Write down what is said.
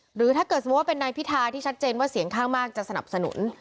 หรือถ้าเกิดสมมุติว่าเป็นนายพิธาที่ชัดเจนว่าเสียงข้างมากจะสนับสนุน